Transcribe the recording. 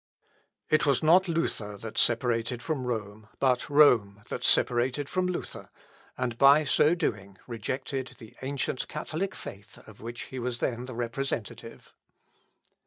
" L. Op. (L.) xvii, 224. It was not Luther that separated from Rome, but Rome that separated from Luther, and by so doing rejected the ancient catholic faith of which he was then the representative.